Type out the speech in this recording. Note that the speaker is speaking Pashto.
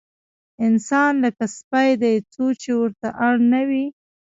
انسان لکه سپی دی، څو چې ورته اړ نه وي.